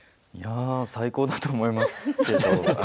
最高だと思いますけど。